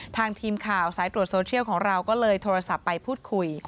ทางทีมข่าวสายตรวจโซเทียลของเราก็เลยโทรศัพท์ไปพูดคุย